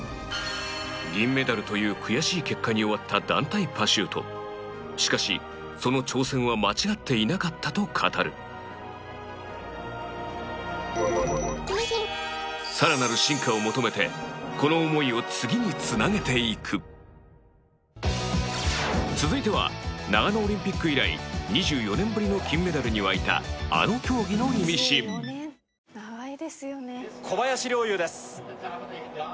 銀メダルという悔しい結果に終わった団体パシュートしかし、その挑戦は間違っていなかったと語る更なる進化を求めてこの思いを次につなげていく続いては長野オリンピック以来２４年ぶりの金メダルに沸いたあの競技のイミシン実況：２４年